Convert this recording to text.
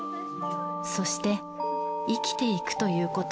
そして生きていくということ。